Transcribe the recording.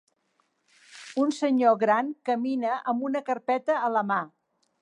un senyor gran camina amb una carpeta a la mà